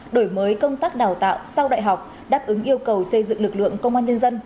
đổi mới công tác đào tạo sau đại học đáp ứng yêu cầu xây dựng lực lượng công an nhân dân